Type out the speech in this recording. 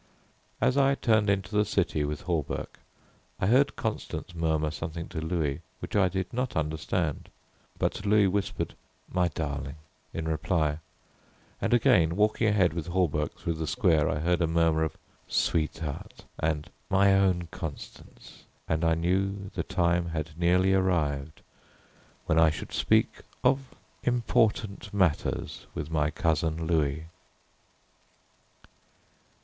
As I turned into the city with Hawberk I heard Constance murmur something to Louis which I did not understand; but Louis whispered "My darling," in reply; and again, walking ahead with Hawberk through the square I heard a murmur of "sweetheart," and "my own Constance," and I knew the time had nearly arrived when I should speak of important matters with my cousin Louis.